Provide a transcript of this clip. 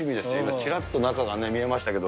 ちらっと中が見えましたけど。